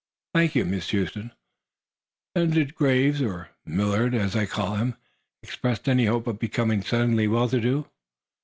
"Thank you, Miss Huston. Then did Graves, or Millard, as I call him, express any hope of becoming suddenly well to do?"